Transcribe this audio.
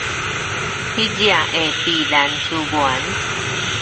逐跡的避難資源